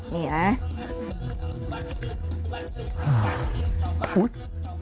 นี่ไง